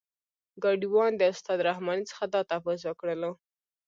ګاډی وان د استاد رحماني څخه دا تپوس وکړلو.